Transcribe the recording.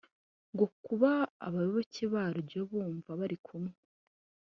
ngo kuba abayoboke baryo bumva bari kumwe